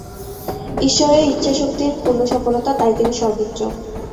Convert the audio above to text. ঈশ্বরে ইচ্ছাশক্তির পূর্ণ সফলতা, তাই তিনি সর্বোচ্চ।